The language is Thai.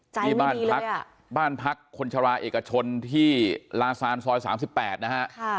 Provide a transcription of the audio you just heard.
ใจไม่ดีเลยอ่ะบ้านพักคนชาวาเอกชนที่ลาซานซอย๓๘นะฮะ